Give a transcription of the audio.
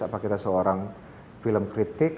apakah kita seorang film kritik